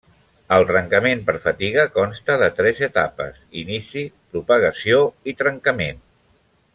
El trencament per fatiga consta de tres etapes: inici, propagació i trencament.